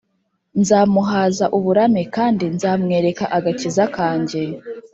nzamuhaza uburame, kandi nzamwereka agakiza kanjye.”